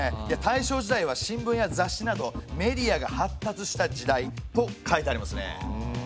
大正時代は新聞や雑誌などメディアが発達した時代と書いてありますね。